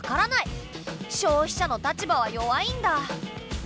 消費者の立場は弱いんだ。